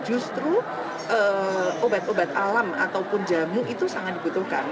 justru obat obat alam ataupun jamu itu sangat dibutuhkan